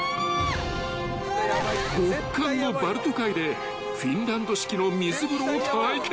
［極寒のバルト海でフィンランド式の水風呂を体験］